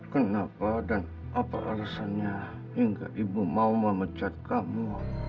kenapa dan apa alasannya hingga ibu mau memecat kamu